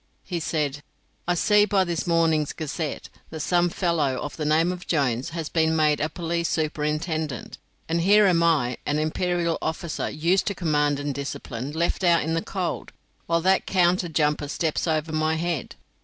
He said: "I see by this morning's 'Gazette' that some fellow of the name of Jones has been made a police superintendent, and here am I, an imperial officer, used to command and discipline, left out in the cold, while that counter jumper steps over my head.